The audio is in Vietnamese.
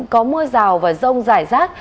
có mưa rào và rông rải rác